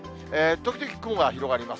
時々雲が広がります。